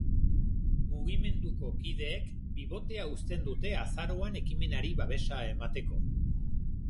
Mugimenduko kideek bibotea uzten dute azaroan ekimenari babesa emateko.